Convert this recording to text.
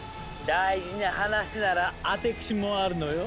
大事な話ならアテクシもあるのよ。